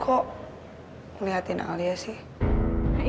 kok ngeliatin alia sih